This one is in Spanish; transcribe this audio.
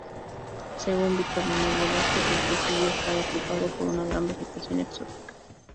Según Víctor Manuel Velásquez, el predio estaba ocupado por una gran vegetación exótica.